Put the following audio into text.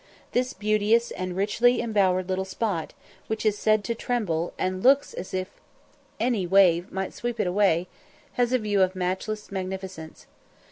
This beauteous and richly embowered little spot, which is said to tremble, and looks as if any wave might sweep it away, has a view of matchless magnificence.